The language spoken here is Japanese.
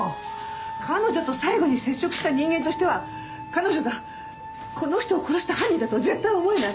彼女と最後に接触した人間としては彼女がこの人を殺した犯人だとは絶対思えない。